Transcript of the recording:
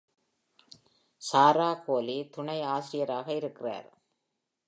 சாரா கோலி துணை ஆசிரியராக இருக்கிறார்.